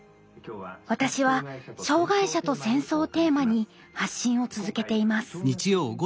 私は「障害者と戦争」をテーマに発信を続けています。